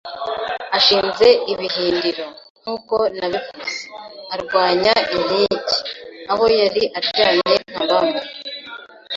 Yashinze ibirindiro, nkuko nabivuze, arwanya inkike, aho yari aryamye nka bamwe